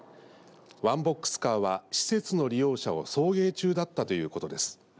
ワンボックスカーは施設の利用者を送迎中だったということです。